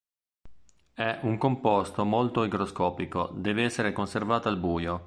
È un composto molto igroscopico, deve essere conservato al buio.